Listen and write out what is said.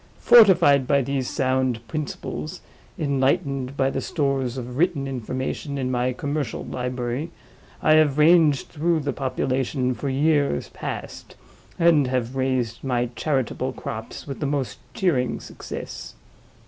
Fortified by these sound principles, enlightened by the stores of written information in my commercial library, I have ranged through the population for years past, and have raised my charitable crops with the most cheering success.